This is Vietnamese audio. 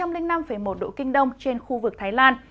một trăm linh năm một độ kinh đông trên khu vực thái lan